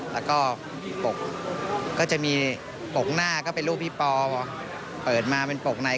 และก็จะมีปกหน้าก็เป็นรูปพี่ปเปิดมาเป็นเป็นปกไหน